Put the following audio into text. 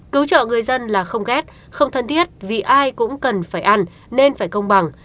cứu trợ người dân là không ghét không thân thiết vì ai cũng cần phải ăn nên phải công bằng